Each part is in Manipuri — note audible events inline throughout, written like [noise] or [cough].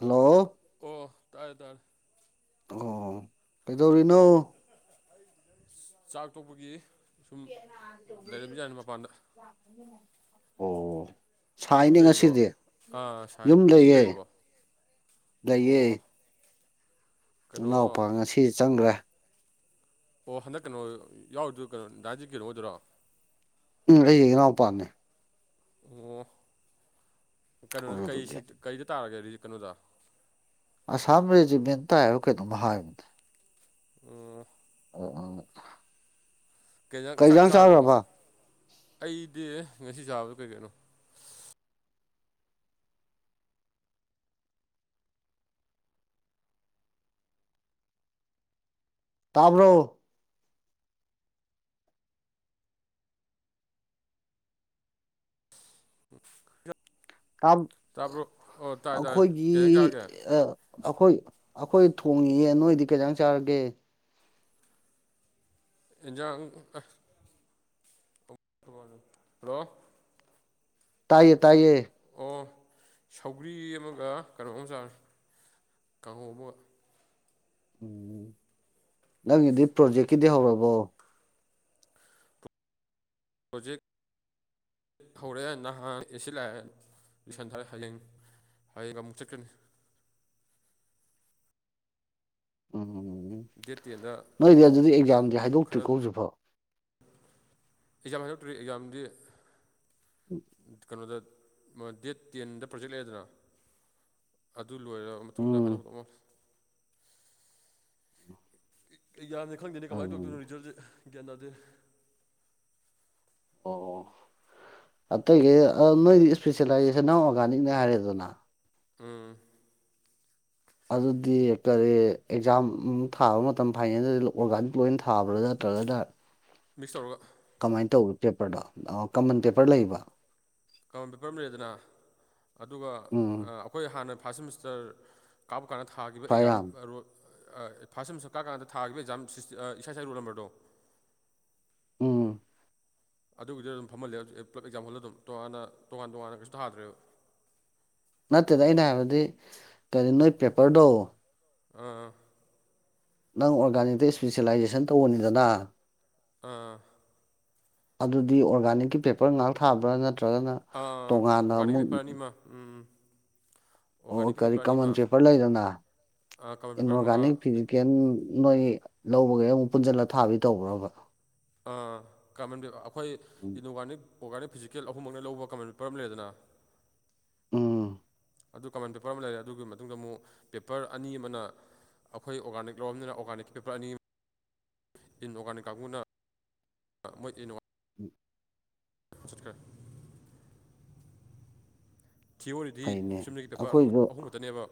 ꯍꯜꯂꯣ ꯑꯣ ꯇꯥꯔꯦ ꯇꯥꯔꯦ ꯑꯣ ꯀꯩꯗꯧꯔꯤꯅꯣ ꯆꯥꯛ ꯇꯣꯛꯄꯒꯤ ꯁꯨꯝ ꯂꯩꯔꯝꯃꯤꯖꯥꯠꯅꯤ ꯃꯄꯥꯟꯗ [unintelligible] ꯑꯣ ꯌꯨꯝ ꯁꯥꯏꯅꯦ ꯂꯩꯔꯤꯕꯣ ꯉꯁꯤꯗꯤ ꯑꯥ ꯁꯥꯏ ꯌꯨꯝ ꯂꯩꯔꯤꯕꯣ ꯑꯣ ꯂꯩꯌꯦ ꯀꯩꯅꯣ ꯅꯅꯥꯎꯄ ꯉꯁꯤ ꯆꯪꯒ꯭ꯔꯦ ꯑꯣ ꯍꯟꯗꯛ ꯀꯩꯅꯣ ꯌꯥꯎꯔꯤꯗꯨ ꯀꯩꯅꯣ ꯗꯥ ꯖꯤꯀꯦꯟ ꯍꯣꯢꯗꯔꯣ ꯎꯝ ꯑꯩꯒꯤ ꯏꯅꯥꯎ ꯄꯥꯅꯦ ꯑꯣ ꯀꯩꯅꯣꯗ ꯀꯩ ꯑꯗꯨꯗꯨꯒꯤ ꯁꯦꯛꯇ ꯀꯩꯗ ꯇꯥꯔꯒꯦ ꯔꯤ ꯀꯩꯅꯣꯗ ꯑꯁꯥꯝ ꯔꯖꯤꯛꯃꯦꯟ ꯇꯥꯢ ꯍꯥꯏꯕ꯭ꯔꯥ ꯀꯩꯅꯣꯝ ꯍꯥꯢꯕꯅꯦ ꯎꯝ [unintelligible] ꯀꯩꯖꯥꯡ ꯀꯩ ꯆꯥꯛ ꯏꯟꯖꯥꯡ ꯆꯥꯕꯣꯝ ꯃ ꯆꯥꯈ꯭ꯔꯕ ꯑꯩꯗꯤ ꯉꯁꯤ ꯆꯥꯕꯗꯣ ꯀꯩ ꯀꯩꯅꯣ ꯇꯥꯕ꯭ꯔꯣ [inaudible] ꯇꯥꯝ ꯇꯥꯕ꯭ꯔꯣ ꯑꯣ ꯇꯥꯏ ꯇꯥꯏ ꯑꯩꯈꯣꯏꯒꯤ ꯀꯩꯖꯥꯡ ꯆꯥꯔꯒꯦ ꯑ ꯑꯩꯈꯣꯏ ꯑꯩꯈꯣꯏ ꯊꯣꯡꯉꯤꯑꯦ ꯅꯣꯏꯗꯤ ꯀꯩꯖꯥꯡ ꯆꯥꯔꯒꯦ ꯍꯦꯟꯖꯥꯡ [unintelligible] ꯍꯜꯂꯣ ꯇꯥꯏꯌꯦ ꯇꯥꯏꯌꯦ ꯑꯣ ꯁꯧꯒ꯭ꯔꯤ ꯑꯃꯒ ꯀꯩꯅꯣꯒ ꯆꯥꯔꯦ ꯀꯥꯡꯒꯧ ꯑꯃꯒ ꯎꯝ ꯅꯪꯒꯤꯗꯤ ꯄ꯭ꯔꯣꯖꯦꯛꯀꯤꯗꯤ ꯍꯧꯔꯕꯣ ꯍꯧꯖꯤꯛ ꯍꯧꯔꯦ ꯅꯍꯥꯟ ꯑꯦꯁꯤ ꯂꯥꯛꯑꯦ ꯂꯣꯢꯁꯟꯊꯔꯦ ꯍꯌꯦꯡ ꯍꯌꯦꯡ ꯑꯃꯨꯛ ꯆꯠꯀꯅꯤ ꯎꯝ ꯗꯦꯠ ꯇꯦꯟꯗ ꯅꯣꯏꯗꯤ ꯑꯗꯨꯗꯤ ꯑꯦꯛꯖꯥꯝꯗꯤ ꯈꯔ ꯍꯥꯏꯗꯣꯛꯇ꯭ꯔꯤꯀꯣ ꯍꯧꯖꯤꯛꯐꯥꯎ ꯑꯦꯛꯖꯥꯝ ꯍꯥꯏꯗꯣꯛꯇ꯭ꯔꯤ ꯑꯦꯛꯖꯥꯝꯗꯤ ꯀꯩꯅꯣꯗ ꯗꯦꯠ ꯇꯦꯟꯗ ꯄ꯭ꯔꯣꯖꯦꯛ ꯂꯩꯔꯦꯗꯅ ꯑꯗ ꯑꯗꯨ ꯂꯣꯏꯔꯕ ꯃꯇꯨꯡꯗ ꯎꯝ ꯍꯥꯏꯗꯣꯛ ꯀꯗꯧ ꯃꯥꯂꯦ ꯑꯦꯛꯖꯥꯝꯖꯦ ꯈꯪꯗꯦꯅꯦ ꯀꯃꯥꯏꯅ ꯎꯝ ꯇꯧꯗꯣꯏꯅꯣ ꯔꯤꯖꯜꯁꯦ ꯒ꯭ꯌꯥꯟ ꯇꯥꯗꯦ [inaudible] ꯑꯇꯩꯒꯩ ꯑꯥ ꯅꯣꯏꯗꯤ ꯏꯁꯄꯤꯁꯦꯂꯥꯏꯖꯦꯁꯟꯅ ꯑꯣꯔꯒꯥꯅꯤꯛꯅꯦ ꯍꯥꯏꯔꯦꯗꯅ ꯎꯝ ꯑꯗꯨꯗꯤ ꯀꯔꯤ ꯑꯦꯛꯖꯥꯝ ꯊꯥꯕ ꯃꯇꯝ ꯐꯥꯏꯅꯦꯜꯗꯤ ꯑꯣꯔꯒꯥꯅꯤꯛ ꯂꯣꯏꯅ ꯊꯥꯕ꯭ꯔꯥꯗ ꯇ꯭ꯔꯒꯗ ꯃꯤꯛꯁ ꯇꯧꯔꯒ ꯄꯦꯄꯔꯗꯣ ꯑꯣ ꯀꯃꯟ ꯄꯦꯄꯔ ꯂꯩꯕ ꯀꯃꯟ ꯄꯦꯄꯔ ꯑꯃ ꯂꯩꯔꯦꯗꯅ ꯑꯗꯨꯒ ꯎꯝ ꯑꯥ ꯑꯩꯈꯣꯏ ꯍꯥꯟꯅ ꯐꯥꯔꯁ ꯁꯦꯃꯤꯁꯇꯔ ꯀꯥꯕꯀꯥꯟꯗ ꯊꯥꯈꯤꯕ ꯈ꯭ꯋꯥꯏ ꯑꯦꯛꯖꯥꯝ ꯌꯥꯝ ꯔꯣꯏ ꯑꯥ ꯐꯥꯔꯁ ꯁꯦꯃꯤꯁꯇꯔ ꯀꯥꯀꯥꯟꯗ ꯊꯥꯈꯤꯕ ꯑꯦꯛꯖꯥꯝ ꯏꯁꯥ ꯏꯁꯥ ꯔꯣꯜ ꯅꯝꯕꯔꯗꯣ ꯎꯝ ꯑꯗꯨꯒꯤꯗꯤ ꯑꯗꯨꯝ ꯐꯝꯍꯜꯂꯦꯕ ꯄꯨꯂꯞ ꯑꯦꯛꯖꯥꯝꯈꯜꯗ ꯑꯗꯨꯝ ꯇꯣꯉꯥꯟꯅ ꯇꯣꯉꯥꯟ ꯇꯣꯉꯥꯟꯅ ꯀꯩꯁꯨ ꯊꯥꯗ꯭ꯔꯦꯕ ꯅꯠꯇꯦꯗ ꯑꯩꯅ ꯍꯥꯏꯕꯗꯤ ꯀꯔꯤ ꯅꯣꯏ ꯄꯦꯄꯔꯗꯣ ꯑꯥ ꯅꯪ ꯑꯣꯔꯒꯥꯅꯤꯛꯇ ꯏꯁꯄꯤꯁꯦꯂꯥꯏꯖꯦꯁꯟ ꯇꯧꯕꯅꯤꯗꯅ ꯑꯥ ꯑꯗꯨꯗꯤ ꯑꯣꯔꯒꯥꯅꯤꯛꯀꯤ ꯄꯦꯄꯔ ꯉꯥꯛ ꯊꯥꯕ꯭ꯔꯥ ꯅꯠꯇ꯭ꯔꯥ ꯑꯥ ꯑꯣꯔꯒꯥꯅꯤꯛ ꯄꯦꯄꯔ ꯑꯅꯤꯃꯛ ꯎꯝ ꯑꯣ ꯑꯣꯔꯒꯥꯅꯤꯛꯀꯤ ꯀꯔꯤ ꯄꯦꯄꯔ ꯀꯃꯟ ꯑꯅꯤꯃ ꯆꯦꯄꯔ ꯂꯩꯗꯅ ꯀꯃꯟ ꯄꯦꯄꯔ ꯑꯃꯒ ꯏꯟꯑꯣꯔꯒꯥꯅꯤꯛ ꯑꯗꯒꯤ ꯐꯤꯖꯤꯀꯦꯜ ꯅꯣꯏ ꯂꯧꯕꯒꯩ ꯑꯃꯨꯛ ꯄꯨꯟꯁꯤꯜꯂ ꯊꯥꯕꯤ ꯇꯧꯕ꯭ꯔꯕ ꯑꯥ ꯀꯃꯟꯕꯤ ꯑꯩꯈꯣꯏ ꯏꯟꯑꯣꯔꯒꯥꯅꯤꯛ ꯑꯣꯔꯒꯥꯅꯤꯛ ꯐꯤꯖꯤꯀꯦꯜ ꯑꯍꯨꯝꯃꯛꯅ ꯂꯧꯕ ꯀꯃꯟ ꯄꯦꯄꯔ ꯑꯃ ꯂꯩꯔꯦꯗꯅ ꯎꯝ ꯑꯗꯨ ꯀꯃꯟ ꯄꯦꯄꯔ ꯑꯃ ꯂꯩꯔꯦ ꯑꯗꯨꯒꯤ ꯃꯇꯨꯡꯗ ꯑꯃꯨꯛ ꯄꯦꯄꯔ ꯑꯅꯤ ꯑꯃꯅ ꯑꯩꯈꯣꯏ ꯑꯣꯔꯒꯥꯅꯤꯛ ꯂꯣꯝꯅꯤꯅ ꯑꯣꯔꯒꯥꯅꯤꯛ ꯄꯤꯄꯔ ꯑꯅꯤ ꯏꯟ ꯑꯣꯔꯒꯅꯤꯛ ꯀꯥꯡꯒꯨꯅ ꯃꯣꯏꯗꯤ [unintelligible] [inaudible] [unintelligible] ꯊꯤꯌꯣꯔꯤꯗꯤ ꯐꯩꯅꯦ ꯁꯨꯞꯅꯒꯤ ꯄꯦꯔꯠ ꯑꯩꯈꯣꯏꯁꯨ ꯑꯍꯨꯝ ꯈꯛꯇꯅꯦꯕ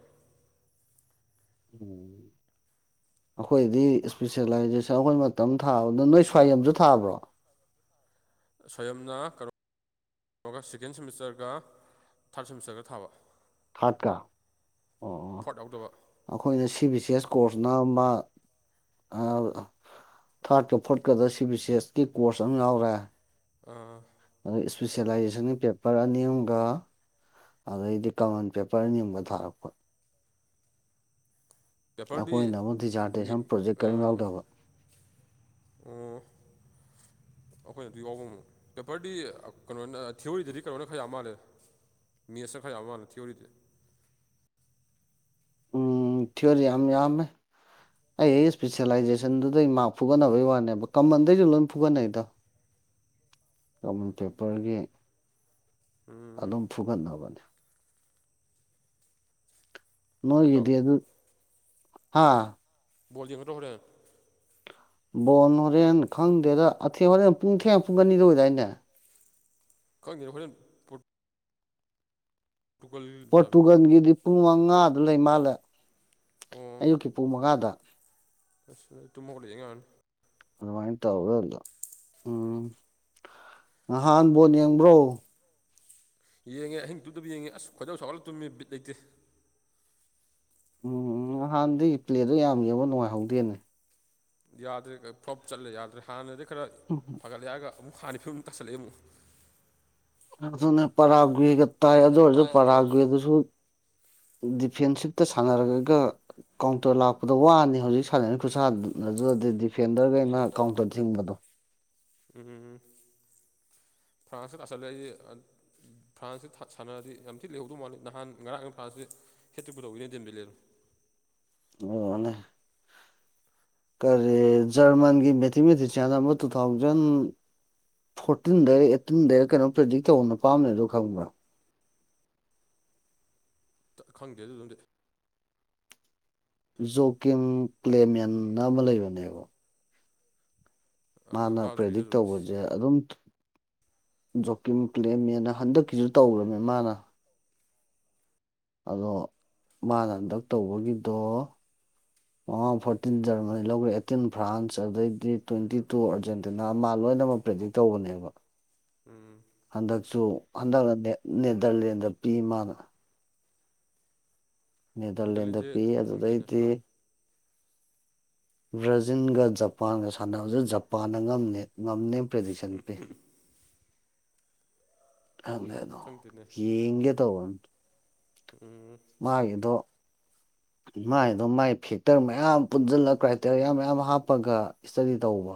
ꯎꯝ ꯑꯩꯈꯣꯏꯗꯤ ꯏꯁꯄꯤꯁꯦꯂꯥꯏꯖꯦꯁ ꯑꯩꯈꯣꯏ ꯃꯇꯝ ꯊꯥꯕꯗ ꯅꯣꯏ ꯁ꯭ꯋꯥꯏꯌꯝꯁꯨ ꯊꯥꯕ꯭ꯔꯣ ꯁ꯭ꯋꯥꯏꯌꯝꯅ ꯀ ꯑꯗꯨꯒ ꯁꯦꯀꯦꯟ ꯁꯦꯃꯤꯁꯇꯔꯒ ꯊꯥꯔꯠ ꯁꯦꯃꯤꯁꯇꯔꯒ ꯊꯥꯕ ꯊꯥꯔꯠꯇ ꯑꯣ ꯑꯣ ꯐꯣꯔꯠ ꯌꯥꯎꯗꯕ ꯑꯩꯈꯣꯏꯅ C B C S course ꯅꯥꯃꯥ ꯑꯥ ꯊꯥꯔꯠꯀ ꯐꯣꯔꯠꯀꯗ ꯁꯤ ꯕꯤ ꯁꯤ ꯑꯦꯁꯀꯤ ꯀꯣꯔꯁ ꯑꯃ ꯌꯥꯎꯔꯦ ꯑꯥ ꯑꯗꯨ ꯏꯁꯄꯤꯁꯦꯂꯥꯏꯖꯦꯁꯟꯒꯤ ꯄꯦꯄꯔ ꯑꯅꯤ ꯑꯝꯒ ꯑꯗꯩꯗꯤ ꯀꯃꯟ ꯄꯦꯄꯔ ꯑꯅꯤ ꯑꯃꯒ ꯊꯥꯔꯛꯄ ꯄꯦꯄꯔꯗꯤ ꯑꯩꯈꯣꯏꯅ ꯑꯃꯨꯛ ꯃꯤ ꯗꯤꯖꯥꯔꯇꯦꯁꯟ ꯄ꯭ꯔꯣꯖꯦꯛ ꯀꯔꯤꯝ ꯌꯥꯎꯗꯕ ꯎꯝ ꯑꯩꯈꯣꯏꯅ ꯑꯗꯨ ꯌꯥꯎꯕ ꯃꯨꯛ ꯄꯦꯄꯔꯗꯤ ꯀꯩꯅꯣꯅ ꯊꯤꯑꯣꯔꯤꯗꯗꯤ ꯀꯩꯅꯣꯅ ꯈ ꯌꯥꯝꯃꯥꯜꯂꯦ ꯃꯦꯠꯁꯇ ꯈꯔ ꯌꯥꯕ ꯋꯥꯅꯤ ꯊꯤꯌꯣꯔꯤꯗꯤ ꯎꯝ ꯊꯤꯌꯣꯔꯤ ꯌꯥꯝ ꯌꯥꯝꯃꯦ ꯑꯩ ꯑꯩ ꯏꯁꯄꯤꯁꯦꯂꯥꯏꯖꯦꯁꯟ ꯗꯨꯗꯩ ꯃꯥꯔꯛ ꯐꯨꯒꯠꯅꯕꯩ ꯋꯥꯅꯦꯕ ꯀꯃꯟ ꯗꯩꯁꯨ ꯂꯣꯏ ꯐꯨꯒꯠꯅꯩꯗꯥ [inaudible] ꯀꯃꯟ ꯄꯦꯄꯔꯒꯤ ꯎꯝ ꯑꯗꯨꯝ ꯐꯨꯒꯠꯅꯕꯅꯦ ꯀꯩꯅꯣ ꯅꯣꯏꯒꯤꯗꯤ ꯑꯗꯨ ꯍꯥ ꯕꯣꯜ ꯌꯦꯡꯒꯗꯔꯣ ꯍꯣꯔꯦꯟ ꯕꯣꯟ ꯍꯣꯔꯦꯟ ꯈꯪꯗꯦꯗ ꯑꯊꯦꯡꯕꯗ ꯍꯣꯔꯦꯟ ꯄꯨꯡ ꯊꯦꯡ ꯄꯨꯡ ꯑꯅꯤꯗ ꯑꯣꯏꯗꯥꯏꯅꯦ ꯈꯪꯗꯦ ꯍꯣꯔꯦꯟ ꯄꯔꯣ ꯇꯨꯀꯜ ꯇꯕꯦ ꯄꯣꯔꯇꯨꯒꯜꯒꯤꯗꯤ ꯄꯨꯡ ꯃꯉꯥꯗꯨ ꯂꯩ ꯃꯥꯜꯂꯦ ꯑꯣ ꯑꯌꯨꯛꯀꯤ ꯄꯨꯡ ꯃꯉꯥꯗ ꯑꯁ ꯑꯩ ꯇꯨꯝ ꯍꯧꯒꯠꯂ ꯌꯦꯡ ꯌꯥꯅꯤ ꯑꯗꯨ ꯃꯥꯥꯏ ꯇꯧꯔ [unintelligible] ꯎꯝ ꯉꯥꯍꯥꯟ ꯕꯣꯜ ꯌꯦꯡꯕ꯭ꯔꯣ ꯌꯦꯡꯉꯦ ꯑꯍꯤꯡ ꯇꯨꯝꯗꯕꯤ ꯌꯦꯡꯉꯦ ꯑꯁ ꯈꯣꯏꯗꯧ ꯁꯥꯎꯍꯠꯂ ꯇꯨꯝꯃꯦ ꯕꯤꯠ ꯂꯩꯇꯦ ꯎꯝ ꯅꯍꯥꯟꯗꯤ ꯄ꯭ꯂꯦꯗꯣ ꯌꯥꯝ ꯌꯦꯡꯕ ꯅꯨꯡꯉꯥꯏꯍꯧꯗꯦꯅꯦ ꯌꯥꯗ꯭ꯔꯦ ꯐ꯭ꯂꯣꯞ ꯆꯠꯂꯦ ꯌꯥꯗ꯭ꯔꯦ ꯍꯥꯟꯅꯗꯤ ꯈꯔ ꯐꯒꯠꯂꯦ ꯍꯥꯏꯔꯒ ꯑꯃꯨꯛ ꯍꯥꯟꯅꯩ ꯐꯤꯕꯝ ꯇꯥꯁꯜꯂꯛꯑꯦ ꯑꯃꯨꯛ ꯑꯗꯨꯅꯦ ꯄꯔꯥꯒꯔꯤꯞꯒ ꯇꯥꯏ ꯑꯗꯨ ꯒꯞ ꯑꯣꯏꯔꯁꯨ ꯇꯥꯏ ꯑꯗꯨ ꯑꯣꯏꯔꯁꯨ ꯄꯒꯔꯥꯒꯤꯗꯨꯁꯨ ꯗꯤꯐꯦꯟꯁꯤꯞꯇ ꯁꯥꯟꯅꯔꯒ ꯀꯥꯎꯟꯇꯔ ꯂꯥꯛꯄꯗ ꯋꯥꯅꯤ ꯍꯧꯖꯤꯛ ꯁꯥꯟꯅꯔꯤ ꯈꯨꯠꯁꯥꯅ ꯑꯗꯨꯗꯤ ꯐꯦꯟꯗꯔꯈꯩꯅ ꯗꯤꯐꯦꯟꯗꯔ ꯀꯥꯎꯟꯇꯔ ꯊꯤꯡꯕꯗꯣ ꯎꯝ ꯐ꯭ꯔꯥꯟꯁꯇ ꯇꯥꯁꯤꯜꯂꯛꯏꯁꯤ ꯑ ꯐ꯭ꯔꯥꯟꯁꯁꯤ ꯁꯥ ꯁꯥꯟꯅꯔꯗꯤ ꯌꯥꯝ ꯊꯤꯅ ꯂꯩꯍꯧꯗꯧ ꯃꯥꯜꯂꯤ ꯅꯍꯥꯟ ꯉꯔꯥꯡꯅ ꯐ꯭ꯔꯥꯟꯁꯁꯦ [unintelligible] ꯊꯧꯔꯛꯑꯣꯅꯦ ꯀꯔꯤ ꯖꯔꯃꯟꯒꯤ ꯃꯦꯊꯤ ꯃꯦꯊꯤ ꯆꯟ ꯇꯨ ꯊꯥꯎꯖꯟ ꯐꯣꯔꯇꯤꯟꯗꯩꯔ ꯑꯦꯠꯇꯤꯟꯗꯩꯔ ꯀꯩꯅꯣꯝ ꯄ꯭ꯔꯦꯗꯤꯛ ꯇꯧꯕ ꯅꯨꯄꯥ ꯑꯃ ꯂꯩꯕꯗꯣ ꯈꯪꯕ꯭ꯔꯥ ꯈꯪꯗꯦ ꯑꯗꯨ ꯗꯨꯝꯗꯤ ꯖꯣꯀꯤꯝ ꯀ꯭ꯂꯦꯃꯦꯟꯅ ꯑꯃ ꯂꯩꯕꯅꯦꯕ ꯑꯥ ꯃꯥꯅ ꯇꯥꯗ꯭ꯔꯤ ꯄ꯭ꯔꯦꯗꯤꯛ ꯑꯗꯨꯝꯗꯤ ꯇꯧꯕꯁꯦ ꯑꯗꯨꯝ ꯖꯣꯀꯤꯝ ꯀ꯭ꯂꯦꯃꯦꯅ ꯍꯟꯗꯛꯀꯤꯁꯨ ꯇꯧꯔꯝꯅꯦ ꯃꯥꯅ ꯑꯗꯣ ꯃꯥꯅ ꯍꯟꯗꯛ ꯇꯧꯕꯒꯤꯗꯣ ꯃꯃꯥꯡ ꯐꯣꯔꯇꯤꯟ ꯖꯔꯃꯅꯤ ꯂꯧꯈ꯭ꯔꯦ ꯑꯦꯠꯇꯤꯟ ꯐ꯭ꯔꯥꯟꯁ ꯑꯗꯩꯗꯤ ꯇ꯭ꯋꯦꯟꯇꯤ ꯇꯨ ꯑꯥꯔꯖꯦꯟꯇꯤꯅꯥ ꯑꯃ ꯂꯣꯏꯅꯃꯛ ꯄ꯭ꯔꯤꯗꯤꯛ ꯇꯧꯕꯅꯦꯕ ꯎꯝ ꯍꯟꯗꯛꯁꯨ ꯍꯟꯗꯛꯅ ꯅꯦꯗ꯭ꯔꯂꯦꯟꯗ ꯄꯤ ꯃꯥꯅ ꯅꯦꯗꯔꯂꯦꯟꯗ ꯅꯦꯗꯔꯂꯦꯟꯁꯦ ꯄꯤ ꯈꯪꯗꯦꯅꯦ ꯑꯗꯨꯗꯩꯗꯤ ꯕ꯭ꯔꯥꯖꯤꯜꯒ ꯖꯄꯥꯟꯒ ꯁꯥꯟꯅꯕꯁꯦ ꯖꯄꯥꯟꯅ ꯉꯝꯃꯦ ꯉꯝꯅꯦ ꯄ꯭ꯔꯗꯤꯛꯁꯟ ꯄꯤ ꯈꯪꯗꯦ ꯑꯗꯣ ꯈꯪꯗꯦꯅꯦ ꯌꯦꯡꯒꯦ ꯇꯧꯕ ꯎꯝ ꯃꯥꯒꯤꯗꯣ [inaudible] ꯃꯥꯏ ꯑꯗꯨ ꯃꯥꯏ ꯐꯦꯛꯇꯔ ꯃꯌꯥꯝ ꯄꯨꯟꯁꯤꯜꯂ ꯀ꯭ꯔꯥꯏꯇꯦꯔꯤꯌꯥ ꯃꯌꯥꯝ ꯍꯥꯞꯄꯒ ꯏꯁꯇꯗꯤ ꯇꯧꯕ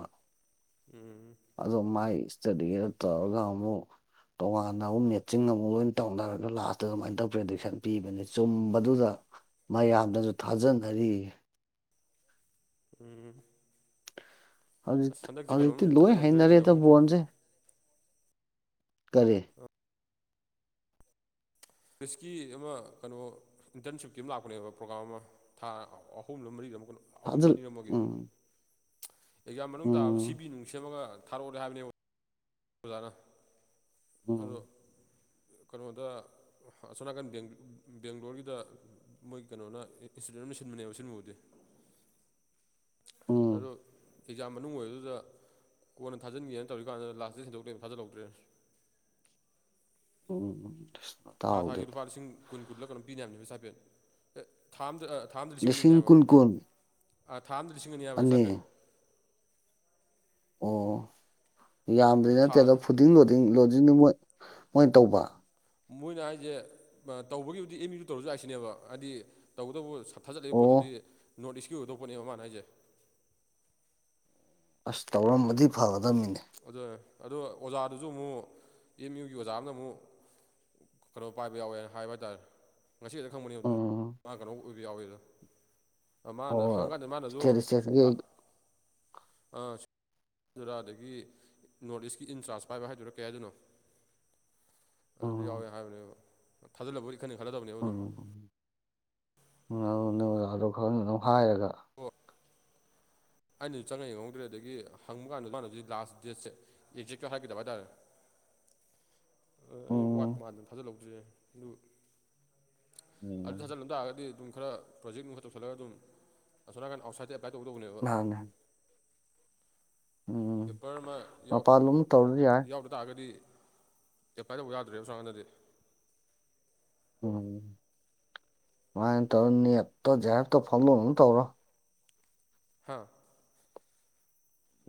ꯎꯝ ꯑꯗꯣ ꯃꯥꯏ ꯁꯇꯗꯤꯗꯣ ꯇꯧꯔꯒ ꯑꯃꯨꯛ ꯇꯣꯉꯥꯟꯅ ꯑꯃꯨꯛ ꯃꯦꯠꯆꯤꯡ ꯑꯃꯨꯛ ꯂꯣꯏꯅ ꯇꯧꯅꯔꯒ ꯂꯥꯁꯇ ꯑꯗꯨꯃꯥꯏꯅ ꯇꯧ ꯄ꯭ꯔꯗꯤꯛꯁꯟ ꯄꯤꯕꯅꯤ ꯆꯨꯝꯕꯗꯨꯗ ꯃꯌꯥꯝꯅꯁꯨ ꯊꯥꯖꯅꯔꯤ ꯎꯝ ꯑꯁ ꯍꯧꯖꯤꯛ ꯍꯟꯗꯛꯁꯦ ꯀꯩꯅꯣꯝ ꯍꯧꯖꯤꯛꯇꯤ ꯂꯣꯏ ꯊꯥꯖꯤꯜꯍꯧꯗ꯭ꯔꯦꯅꯦ ꯍꯩꯏꯅꯔꯦꯗ ꯅꯪꯍꯧꯗ꯭ꯔꯦ ꯕꯣꯟꯁꯦ ꯀꯔꯤ [unintelligible] ꯑꯃ ꯀꯩꯅꯣ ꯏꯟꯇ꯭ꯔꯟꯁꯤꯞꯀꯤ ꯑꯃ ꯂꯥꯛꯄꯅꯦꯕ ꯄ꯭ꯔꯣꯒ꯭ꯔꯥꯝ ꯑꯃ ꯊꯥ ꯑꯍꯨꯝꯂ ꯃꯔꯤꯔ ꯑꯃ ꯀꯩꯅꯣ ꯑꯍꯨꯝꯂ ꯊꯥꯖꯤꯜ ꯑꯅꯤꯔ ꯑꯃꯒꯤ ꯎꯝ ꯑꯦꯛꯖꯥꯝ ꯃꯅꯨꯡꯗ ꯇꯥꯕ ꯁꯤ ꯎꯝ ꯕꯤ ꯅꯨꯡ ꯁꯦꯝꯃꯒ ꯊꯥꯔꯛꯑꯣꯗꯤ ꯍꯥꯏꯕꯅꯦ ꯑꯣꯖꯥꯅ ꯑꯗꯣ ꯎꯝ ꯀꯩꯅꯣꯗ ꯑꯁꯣꯝꯅꯥꯀꯟ ꯕꯦꯡꯛ ꯕꯦꯡꯒ꯭ꯂꯣꯔꯒꯤꯗ ꯃꯣꯏ ꯀꯩꯅꯣꯅ ꯑꯦꯁꯤꯗ [unintelligible] ꯁꯤꯟꯕꯅꯦꯕ ꯁꯤꯟꯕꯕꯨꯗꯤ ꯎꯝ ꯑꯗꯣ ꯑꯦꯛꯖꯥꯝ ꯃꯅꯨꯡ ꯑꯣꯏꯕꯗꯨꯗ ꯀꯣꯟꯅ ꯊꯥꯖꯤꯟꯒꯦꯅ ꯇꯧꯔꯤꯀꯥꯟꯗ ꯂꯥꯁ ꯗꯦꯠ ꯍꯟꯗꯣꯛ ꯂꯩꯔꯝꯃꯦ ꯊꯥꯖꯤꯜꯍꯧꯗ꯭ꯔꯦ [inaudible] ꯎꯝ ꯊꯥ ꯇꯥꯎꯗꯦ ꯊꯥꯒꯤ ꯂꯨꯄꯥ ꯂꯤꯁꯤꯡ ꯀꯨꯟ ꯀꯨꯜꯂ ꯀꯩꯅꯣꯝ ꯄꯤꯅꯦ ꯍꯥꯏꯕꯅꯦꯕ ꯁ꯭ꯇꯥꯏꯄꯦꯟ ꯑꯦ ꯊꯥ ꯑꯝꯗ ꯂꯤꯁꯤꯡ ꯀꯨꯟ ꯀꯨꯨꯟ ꯑꯥ ꯊꯥ ꯑꯃꯗ ꯂꯤꯁꯤꯡ ꯑꯅꯤ ꯍꯥꯏꯕ ꯁ꯭ꯇꯥꯏꯄꯦꯟ ꯑꯣ ꯌꯥꯝꯕꯗꯤ ꯅꯠꯇꯦ ꯑꯗꯣ ꯐꯨꯗꯤꯡ ꯂꯣꯗꯤꯡ ꯂꯣꯗꯤꯡꯗꯨ ꯃꯣꯏ ꯃꯣꯏ ꯇꯧꯕ ꯃꯣꯏꯅ ꯍꯥꯏꯁꯦ ꯇꯧꯕꯒꯤꯕꯨꯗꯤ ꯑꯦꯝ ꯌꯨꯗ ꯇꯧꯔꯁꯨ ꯌꯥꯥꯏ ꯁꯤꯅꯦꯕ ꯍꯥꯏꯗꯤ ꯇꯧꯕꯇꯕꯨ ꯊꯥꯖꯤꯜꯂꯛꯏꯕ ꯄꯣꯠꯇꯨꯗꯤ ꯑꯣ ꯅꯣꯔꯠ ꯏꯁꯀꯤ ꯑꯣꯏꯗꯧꯕꯄꯣꯠꯅꯦ ꯃꯥꯅ ꯍꯥꯏꯖꯦ ꯑꯁ ꯇꯧꯔꯝꯃꯗꯤ ꯐꯕ ꯑꯗꯣ ꯑꯗꯣ ꯑꯣ ꯑꯣꯖꯥꯗꯨꯁꯨ ꯑꯃꯨꯛ ꯑꯦꯝ ꯌꯨꯒꯤ ꯑꯣꯖꯥ ꯑꯃꯅ ꯑꯃꯨꯛ ꯀꯩꯅꯣ ꯄꯥꯏꯕ ꯌꯥꯎꯋꯦꯅ ꯍꯥꯏꯕ ꯇꯥꯔꯦ ꯉꯁꯤ ꯈꯛꯇ ꯈꯪꯕꯅꯦ ꯑꯗꯨꯗꯣ ꯎꯝ ꯃꯥ ꯀꯩꯅꯣ ꯑꯣꯏꯕ ꯌꯥꯎꯋꯤ ꯗꯣ ꯃꯥꯅ ꯍꯣꯏ ꯍꯪꯀꯥꯟꯗ ꯃꯥꯅꯁꯨ ꯏꯁꯇꯦꯠ ꯏꯁꯇꯦꯠꯀꯤ ꯂꯥꯛ ꯑꯥ ꯗꯨꯔꯗꯒꯤ ꯅꯣꯔꯠ ꯏꯁꯀꯤ ꯏꯟꯆꯥꯔꯁ ꯄꯥꯏꯕ ꯍꯥꯏꯗꯨꯔꯥ ꯀꯩ ꯍꯥꯏꯗꯣꯏꯅꯣ ꯑꯗꯨꯗ ꯌꯥꯎꯋꯦ ꯎꯝ ꯍꯥꯏꯕꯅꯦꯕ ꯊꯥꯖꯤꯜꯂꯕꯨꯗꯤ ꯏꯈꯟꯗ ꯈꯜꯂꯗꯕꯅꯦꯕ ꯑꯗꯨꯝ ꯎ ꯅꯪ ꯑꯗꯣ ꯈꯥꯔ ꯉꯟꯅ ꯍꯥꯏꯔꯒ ꯑꯣ ꯑꯩꯅꯁꯨ ꯆꯪꯉ ꯌꯦꯡꯍꯧꯗ꯭ꯔꯦ ꯑꯗꯒꯤ ꯍꯪꯕ ꯀꯥꯟꯗ ꯃꯥꯅꯁꯨ ꯂꯥꯁ ꯗꯦꯠꯁꯦ ꯑꯦꯛꯖꯦꯛꯇ ꯍꯥꯏꯗꯕ ꯍꯥꯏꯇꯥꯔꯦ ꯑꯩ ꯋꯥꯠꯄ ꯎꯝ ꯃꯥꯟ ꯊꯥꯖꯜꯍꯧꯗ꯭꯭ꯔꯦ ꯑꯗꯨ ꯑꯗꯨ ꯎꯝ ꯊꯥꯖꯤꯜꯂꯝ ꯇꯥꯔꯒꯗꯤ ꯑꯗꯨꯝ ꯈꯥꯔ ꯄ꯭ꯔꯣꯖꯦꯛ ꯅꯨꯡ ꯈꯥꯔ ꯇꯧꯁꯤꯜꯂꯒ ꯑꯗꯨꯝ ꯑꯁꯣꯝꯅꯥꯀꯟ ꯑꯥꯎꯠꯁꯥꯏꯠꯇ ꯇ꯭ꯔꯥꯏꯇꯧꯒꯦ ꯇꯧꯕꯅꯦꯕ ꯅꯍꯥꯟꯅꯦ ꯎꯝ ꯃꯔꯛ ꯃꯔꯛ ꯌꯥꯎꯗ ꯃꯄꯥꯟꯂꯣꯝ ꯇꯧꯔꯁꯨ ꯌꯥꯏ ꯌꯥꯎꯗ ꯇꯥꯔꯒꯗꯤ ꯑꯦꯄ꯭ꯂꯥꯏ ꯇꯧꯕ ꯌꯥꯗ꯭ꯔꯦꯕ ꯑꯁꯣꯝꯅꯥꯀꯟꯗꯗꯤ ꯎꯝ ꯁꯨꯃꯥꯏꯅ ꯇꯧꯔ ꯅꯦꯇꯣ ꯖꯦ ꯑꯥꯔ ꯑꯦꯐ ꯇꯣ ꯐꯥꯎ ꯗꯣꯛꯅꯕ ꯇꯧꯔꯣ ꯍꯥ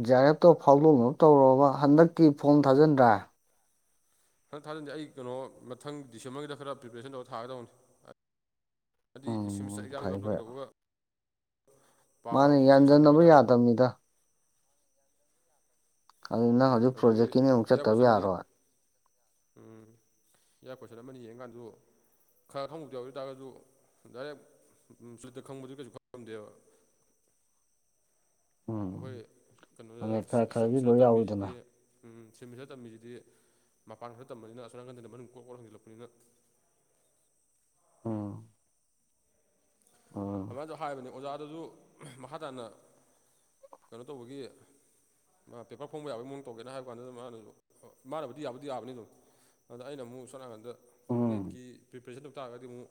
ꯖꯤ ꯑꯥꯔ ꯑꯦꯐꯇꯣ ꯐꯥꯎꯗꯣꯛꯅꯕ ꯇꯧꯔꯣꯕ ꯍꯟꯗꯛꯀꯤ ꯐꯣꯝ ꯊꯥꯖꯤꯟꯗꯥꯏ ꯍꯟꯗꯛ ꯊꯥꯖꯟꯗꯤ ꯑꯩ ꯀꯩꯅꯣ ꯃꯊꯪ ꯗꯤꯁꯦꯝꯕ꯭ꯔꯒꯤꯗ ꯈꯥꯔ ꯄ꯭ꯔꯤꯄꯦꯔꯦꯁꯟ ꯇꯧꯔ ꯊꯥꯒꯦ ꯗꯧꯕꯅꯤ ꯍꯥꯏꯗꯤ ꯁꯤꯝꯁꯇ꯭ꯔ ꯎꯝ ꯑꯦꯛꯖꯥꯝ ꯌꯥꯎ ꯀꯩꯗꯧꯕꯒ ꯃꯥꯟꯅꯦ ꯌꯥꯟꯖꯤꯟꯅꯕ ꯍꯥꯏꯇꯥꯔꯦ ꯌꯥꯗꯕꯅꯤꯗ ꯀꯔꯤ ꯅꯪ ꯎꯝ ꯍꯧꯖꯤꯛ ꯑꯗꯒꯤ ꯄ꯭ꯔꯣꯖꯦꯛꯀꯤꯅꯤ ꯑꯃꯨꯛ ꯏꯌꯥ ꯆꯠꯇꯕ ꯀꯣꯏꯁꯟ ꯑꯃꯅꯤ ꯌꯥꯔꯣꯏ ꯎꯝ ꯏꯌ꯭ꯔ ꯀꯣꯏꯁꯟ ꯑꯃꯅꯤ ꯌꯦꯡꯀꯥꯟꯗꯁꯨ ꯈꯥꯔ ꯈꯥꯔ ꯈꯪꯕꯨꯗꯤꯌꯥꯎꯏ ꯗꯨ ꯇꯥꯔꯒꯁꯨ ꯗꯥꯏꯔꯦꯛ ꯁꯨꯠꯇ ꯈꯪꯕꯗꯨꯗꯤ ꯀꯩꯁꯨ ꯈꯪꯗꯦꯕ [inaudible] ꯑꯈꯣꯏ ꯎꯝ ꯀꯩꯅꯣꯗ ꯑꯗꯩ ꯈꯔ ꯈꯔꯗꯤ ꯂꯣꯏ ꯁꯦꯃꯤꯁꯇ꯭ꯔꯗ ꯌꯥꯎꯋꯤꯗꯅ ꯇꯝꯃꯤꯁꯤꯗꯤ ꯎꯝ ꯁꯤꯝꯃꯤꯗ ꯇꯝꯃꯤꯁꯤꯗꯤ ꯃꯄꯥꯟꯈꯛꯇ ꯇꯝꯕꯅꯤꯅ ꯑꯁꯣꯝ ꯅꯥꯀꯟꯗꯗ ꯃꯅꯨꯡ ꯀꯣꯛ ꯀꯣꯛ ꯍꯪꯖꯤꯜꯂꯛꯄꯅꯤꯅ [inaudible] ꯑꯣ ꯑꯗꯨꯃꯥꯏꯅꯗ ꯍꯥꯏꯕꯅꯦ ꯑꯣꯖꯥꯗꯨꯁꯨ ꯃꯥꯈ ꯇꯥꯅ ꯀꯩꯅꯣ ꯇꯧꯕꯒꯤ ꯃꯥ ꯄꯦꯄꯔ ꯐꯣꯡꯕ ꯌꯥꯕꯒꯤ ꯃꯑꯣꯡ ꯇꯧꯒꯦꯔꯅ ꯍꯥꯏꯕ ꯋꯥꯅꯤ ꯃꯥꯅꯗꯨꯝ ꯃꯥꯅꯕꯨꯗꯤ ꯌꯥꯕꯨꯗꯤ ꯌꯥꯕꯅꯤ ꯑꯗꯨꯝ ꯑꯥꯗ ꯑꯩꯅ ꯃꯨꯛ ꯁꯣꯝ ꯅꯥꯀꯟꯗ ꯎꯝ ꯅꯦꯠꯀꯤ ꯄ꯭ꯔꯤꯄꯦꯔꯦꯁꯟ ꯇꯧ ꯇꯥꯔꯒꯗꯤ ꯑꯃꯨꯛ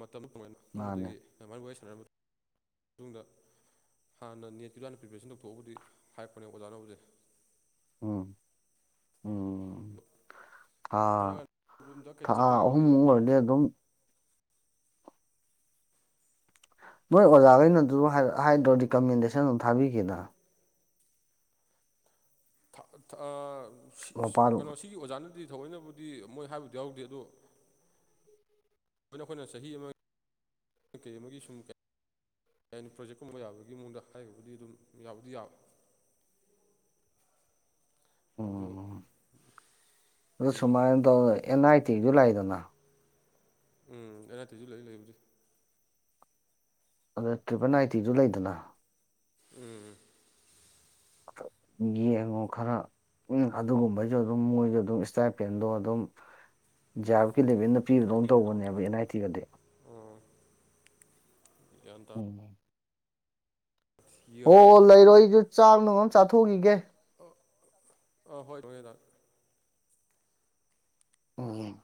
ꯃꯇꯝ ꯀꯣꯃꯥꯏꯅ ꯃꯥꯅꯦ ꯈꯟꯕꯗꯒꯤ ꯑꯃꯥꯏ ꯋꯥꯔꯤ ꯁꯥꯟꯅꯔ ꯃꯇꯨꯡ ꯃꯇꯨꯡꯗ ꯍꯥꯟꯅ ꯅꯦꯠꯀꯤꯖꯦꯅ ꯄ꯭ꯔꯤꯄꯦꯔꯦꯁꯟ ꯇꯧꯊꯣꯛꯑꯣꯕꯨꯗꯤ ꯍꯥꯏꯔꯛꯄꯅꯦ ꯑꯣꯖꯥꯅꯕꯨꯗꯤ ꯎꯝ ꯎꯝ ꯊꯥ ꯆꯠꯂꯀꯥꯟꯗ ꯔꯨꯝꯗ ꯀꯩꯗ ꯊꯥ ꯆꯠꯄꯒꯤꯕꯨꯗꯤ ꯑꯍꯨꯝꯃꯨꯛ ꯑꯣꯏꯔꯗꯤ ꯑꯗꯨꯝ ꯅꯣꯏ ꯑꯣꯖꯥꯈꯩꯅ ꯑꯗꯨ ꯍꯥꯏꯗ꯭ꯔꯣ ꯔꯤꯀꯃꯦꯟꯗꯦꯁꯟ ꯑꯗꯨ ꯊꯥꯕꯤꯒꯦꯗ ꯑꯥ ꯃꯄꯥꯜ ꯀꯩꯅꯣ ꯁꯤꯒꯤ ꯑꯣꯖꯥꯅ ꯗꯤ ꯊꯑꯣꯏꯅꯕꯨꯗꯤ ꯃꯣꯏ ꯍꯥꯏꯕꯗꯨ ꯌꯥꯎꯗꯦ ꯑꯗꯣ ꯑꯩꯈꯣꯏꯅ ꯆꯍꯤ ꯑꯃ ꯀꯩ ꯑꯃꯒꯤ ꯁꯨꯝ ꯍꯥꯏꯅꯤ ꯄ꯭ꯔꯣꯖꯦꯛꯀꯨꯝꯕ ꯌꯥꯕꯒꯤ ꯃꯑꯣꯡꯗ ꯍꯥꯏꯕꯨꯗꯤ ꯑꯗꯨꯝ ꯌꯥꯕꯨꯗꯤ ꯌꯥꯕ ꯑꯗꯣ ꯎꯝ ꯎ ꯑꯗꯣ ꯎꯝ ꯁꯨꯃꯥꯏꯅ ꯇꯧꯅ ꯑꯦꯝ ꯑꯥꯢ ꯇꯤꯁꯨ ꯂꯥꯛꯏꯗꯅ ꯎꯝ ꯑꯦ ꯅꯥꯢ ꯇꯤꯁꯨ ꯂꯩ ꯂꯩꯕꯨꯗꯤ ꯑꯗꯨꯗ ꯇ꯭ꯔꯤꯄꯜ ꯅꯥꯏꯇꯤꯁꯨ ꯂꯩꯗꯅ ꯎꯝ ꯌꯦꯡꯉꯣ ꯈꯔ ꯎꯝ ꯑꯗꯨꯒꯨꯝꯕꯩꯁꯨ ꯑꯗꯨꯝ ꯃꯣꯏꯁꯨ ꯑꯗꯨꯝ ꯏꯁꯇꯥꯏꯜ ꯄꯦꯟꯗꯣ ꯑꯗꯨꯝ ꯐꯤ ꯂꯦꯚꯦꯜꯗ ꯄꯤꯕꯗꯧꯅ ꯇꯧꯕꯅꯦꯕ ꯑꯦꯟ ꯑꯥꯏ ꯇꯤꯒꯗꯤ ꯒ꯭ꯌꯥꯟ ꯇꯥ ꯎꯝ ꯍꯣ ꯌꯦꯡꯉꯒꯦ ꯑꯗꯨꯝ ꯂꯩꯔꯣ ꯑꯩꯁꯨ ꯆꯥꯛ ꯅꯨꯡ ꯑꯝ ꯆꯥꯊꯣꯛꯈꯤꯒꯦ ꯑ ꯍꯣꯏ ꯍꯣꯏ ꯗꯥ ꯎꯝ